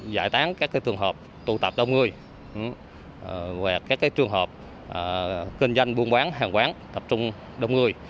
giải tán các trường hợp tụ tập đông người hoặc các trường hợp kinh doanh buôn bán hàng quán tập trung đông người